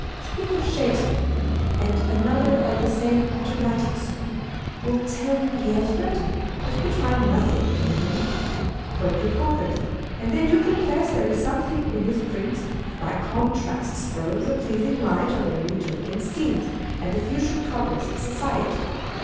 Speak of Shakespeare, and another of the same automci^", school will tell you he has read him, but could find n\ .iiing in him. Point to Hogarth, and they do confess there is something in his prints that by contrast throws a pleasing light on their Utopian schemes, and the future progress of society.